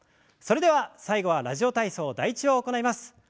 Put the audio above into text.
それでは最後は「ラジオ体操第１」を行います。